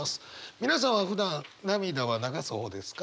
皆さんはふだん涙は流す方ですか？